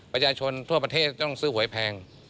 ประชาชนทั่วประเทศต้องซื้อหวยแพง